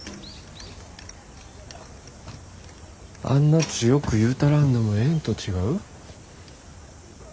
あんな強く言うたらんでもええんと違う？